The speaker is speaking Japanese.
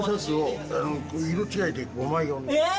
え！